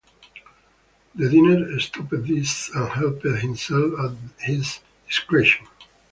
The diner stopped these and helped himself at his discretion.